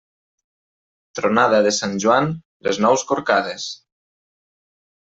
Tronada de Sant Joan, les nous corcades.